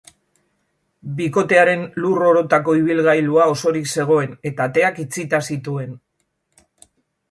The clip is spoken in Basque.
Bikotearen lur orotako ibilgailua osorik zegoen, eta ateak itxita zituen.